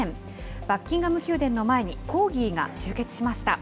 バッキンガム宮殿の前にコーギーが集結しました。